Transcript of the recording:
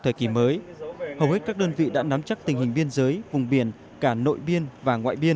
thời kỳ mới hầu hết các đơn vị đã nắm chắc tình hình biên giới vùng biển cả nội biên và ngoại biên